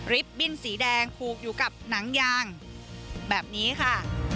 บิ้นสีแดงผูกอยู่กับหนังยางแบบนี้ค่ะ